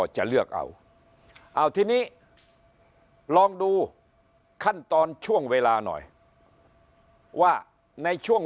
จะเลือกเอาเอาทีนี้ลองดูขั้นตอนช่วงเวลาหน่อยว่าในช่วง